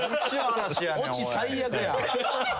オチ最悪や。